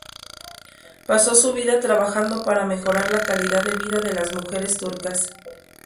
Pasó su vida trabajando para mejorar la calidad de vida de las mujeres turcas.